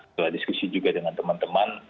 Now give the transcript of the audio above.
telah diskusi juga dengan teman teman